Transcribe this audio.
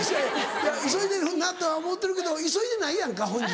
急いでるなとは思ってるけど急いでないやんか本人。